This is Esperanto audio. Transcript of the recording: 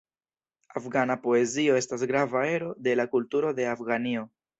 Afgana poezio estas grava ero de la kulturo de Afganio.